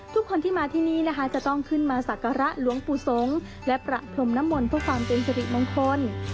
ทุกคนที่มาที่นี่จะต้องขึ้นมาสักกระล้าหลวงปุศงและประธรรมนามวลเพื่อความเต็มสติมงคล